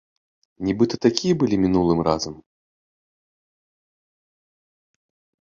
Нібыта такія былі мінулым разам?